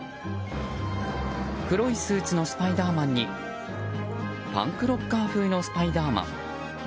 黒いスーツのスパイダーマンにパンクロッカー風のスパイダーマン。